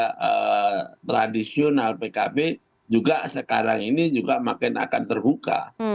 karena tradisional pkb juga sekarang ini juga makin akan terbuka